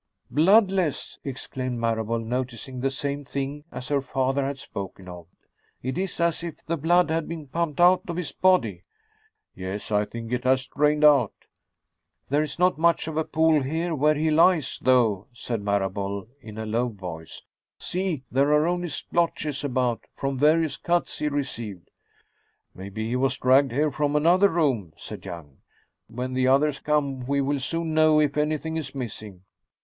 "Bloodless," exclaimed Marable, noticing the same thing as her father had spoken of. "It is as if the blood had been pumped out of his body!" "Yes, I think it has drained out." "There is not much of a pool here where he lies, though," said Marable, in a low voice. "See, there are only splotches about, from various cuts he received." "Maybe he was dragged here from another room," said Young. "When the others come, we will soon know if anything is missing.